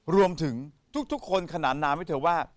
รวมถึงทุกคนขนานนามให้เธอว่า